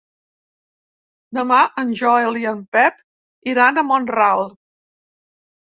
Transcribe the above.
Demà en Joel i en Pep iran a Mont-ral.